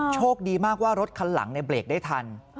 โชคดีมากว่ารถคันหลังเบรกได้ทัน